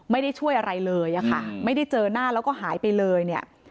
ไม่ได้ช่วยอะไรเลยไม่ได้เจอหน้าแล้วก็หายไปเลย